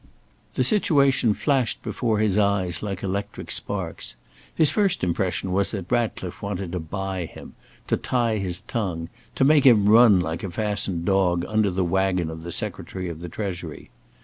The situation flashed before his eyes like electric sparks. His first impression was that Ratcliffe wanted to buy him; to tie his tongue; to make him run, like a fastened dog, under the waggon of the Secretary of the Treasury.